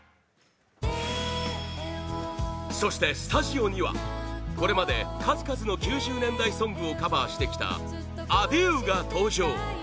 そして、スタジオにはこれまで数々の９０年代ソングをカバーしてきた ａｄｉｅｕ が登場